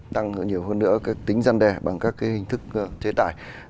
tăng nhiều hơn nữa cái tính gian đe bằng các cái hình thức chế tài